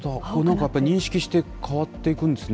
なんか認識して変わっていくんですね、